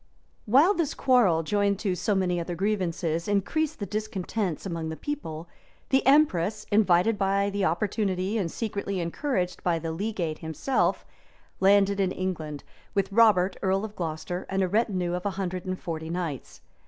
] While this quarrel, joined to so many other grievances, increased the discontents among the people, the empress, invited by the opportunity, and secretly encouraged by the legate himself, landed in England, with Robert, earl of Glocester, and a retinue of a hundred and forty knights.